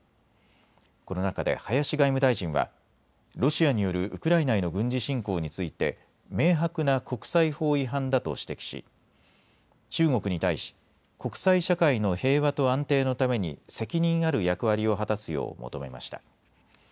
この中で林外務大臣はロシアによるウクライナへの軍事侵攻について明白な国際法違反だと指摘し中国に対し国際社会の平和と安定のために責任ある役割を果たすよう求めました。